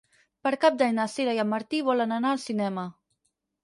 Per Cap d'Any na Sira i en Martí volen anar al cinema.